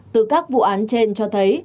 từ các vụ án trên cho thấy